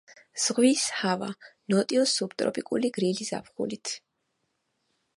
ჰავა ზღვის სუბტროპიკული ნოტიო გრილი ზაფხულით.